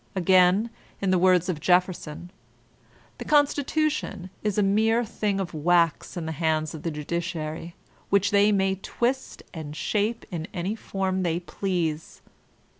Again, in the words of Jefferson : ''The Constitution is a mere thing of wax in the hands of the Judiciary, which they may twist and shape in any form they please.